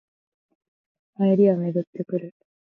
流行りはめぐってくる